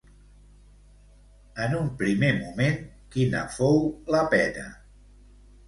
En un primer moment, quina fou la pena?